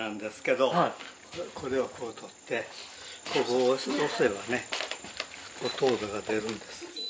これをこう取ってここ押せばね糖度が出るんです。